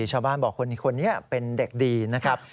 ชาวบ้านบอกคนนี้เป็นเด็กดีนะครับ